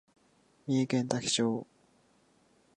三重県多気町